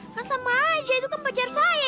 kan sama aja itu kan pacar saya